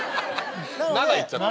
７いっちゃった。